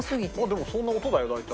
でもそんな音だよ大体。